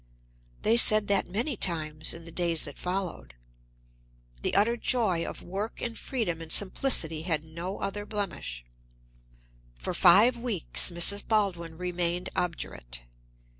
They said that many times in the days that followed. The utter joy of work and freedom and simplicity had no other blemish. For five weeks Mrs. Baldwin remained obdurate.